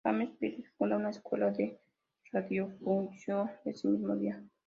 James Philips funda una escuela de radiodifusión ese mismo día.